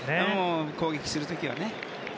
攻撃する時はね。